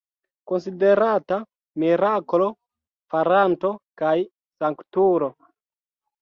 Konsiderata miraklo-faranto kaj sanktulo.